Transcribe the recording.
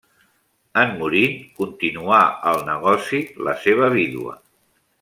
En morir, continuà el negoci la seva vídua.